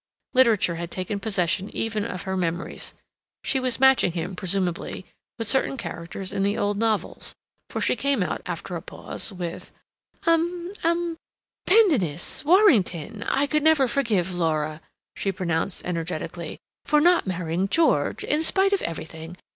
Literature had taken possession even of her memories. She was matching him, presumably, with certain characters in the old novels, for she came out, after a pause, with: "Um—um—Pendennis—Warrington—I could never forgive Laura," she pronounced energetically, "for not marrying George, in spite of everything.